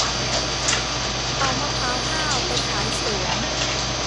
เอามะพร้าวห้าวไปขายสวน